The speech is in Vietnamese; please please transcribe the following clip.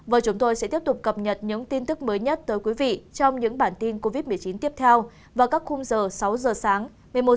và chúng tôi sẽ tiếp tục cập nhật những tin tức mới nhất tới quý vị trong những bản tin covid một mươi chín tiếp theo vào các khung giờ sáu h sáng một mươi một h trưa và một mươi bảy h hôm sau